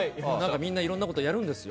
みんないろんなことやるんですよ。